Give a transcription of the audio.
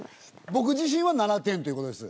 僕自身は７点ということです。